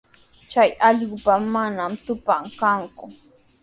Chay allqupa manami trupan kanku.